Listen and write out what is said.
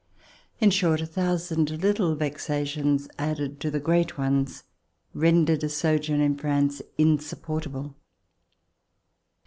In short, a thousand Httle vexations added to great ones rendered a sojourn in France insupportable.